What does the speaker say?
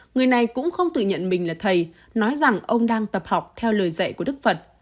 người này cũng không tự nhận mình là thầy nói rằng ông đang tập học theo lời dạy của đức phật